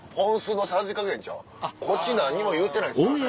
こっち何にも言うてないですよ。